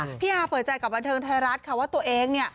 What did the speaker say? พี่อาเปิดใจกับบันเทิงไทยรัฐค่ะว่าตัวเองเนี่ย